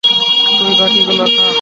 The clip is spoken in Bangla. তুই বাকিগুলো খা।